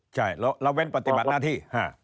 ใช่ละเว้นปฏิบัติหน้าที่